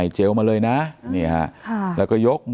ลูกชายวัย๑๘ขวบบวชหน้าไฟให้กับพุ่งชนจนเสียชีวิตแล้วนะครับ